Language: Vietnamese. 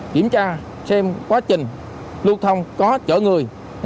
kiểm tra xem quá trình lưu thông có chở người